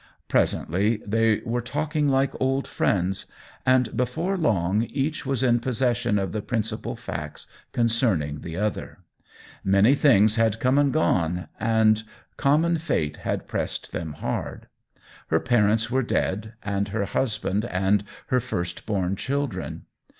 Presently they were talking like old friends, and before long each was in possession of the principal facts concerning the other. Many things had come and gone, and the THE WHEEL OF TIME 6l common fate had pressed them hard. Her parents were dead, and her husband and her first born children.